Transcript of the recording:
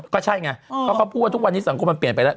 ก็ใช่ไงเพราะเขาพูดว่าทุกวันนี้สังคมมันเปลี่ยนไปแล้ว